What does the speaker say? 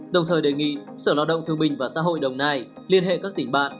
đồng thời đề nghị sở lao động thương bình và xã hội đồng nai liên hệ các tỉnh bạn